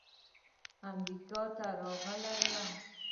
امریکا ته راغلی یم.